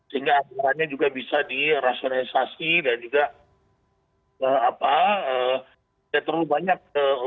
sehingga anggarannya juga bisa dirasonisasi dan juga terlalu banyak